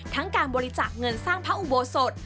การบริจาคเงินสร้างพระอุโบสถ